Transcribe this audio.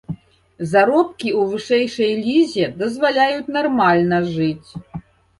Заробкі ў вышэйшай лізе дазваляюць нармальна жыць.